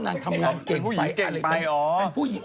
เท่านั้นทำลองเก่งไปพระหญ่ผู้หญิงไม่อ๋อ